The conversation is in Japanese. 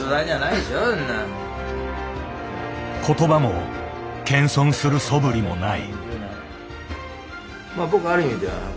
言葉も謙遜するそぶりもない。